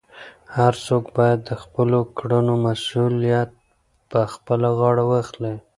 هر څوک باید د خپلو کړنو مسؤلیت په خپله غاړه واخلي.